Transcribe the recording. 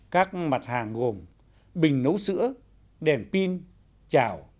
các mặt hàng gồm bình nấu sữa đèn pin chảo